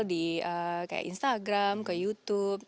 di instagram ke youtube